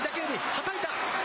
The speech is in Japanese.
はたいた。